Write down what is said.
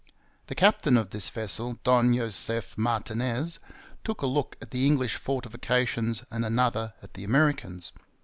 The captain of this vessel, Don Joseph Martinez, took a look at the English fortifications and another at the Americans.